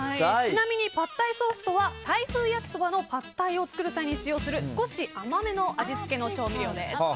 ちなみに、パッタイソースとはタイ風焼きそばのパッタイを作る際に使用する少し甘めの味付けの調味料です。